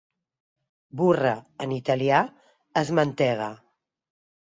Burra, en italià, és mantega.